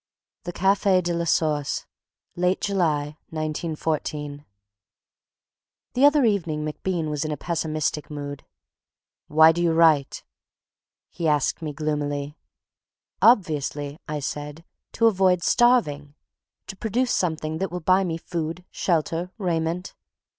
III The Cafe de la Source, Late in July 1914. The other evening MacBean was in a pessimistic mood. "Why do you write?" he asked me gloomily. "Obviously," I said, "to avoid starving. To produce something that will buy me food, shelter, raiment."